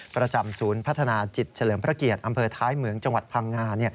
ประจำศูนย์พัฒนาจิตเฉลิมพระเกียรติอำเภอท้ายเหมืองจังหวัดพังงา